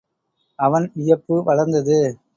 அவன் வியப்பு வளர்ந்தது.